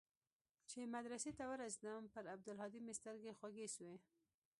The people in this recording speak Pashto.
چې مدرسې ته ورسېدم پر عبدالهادي مې سترګې خوږې سوې.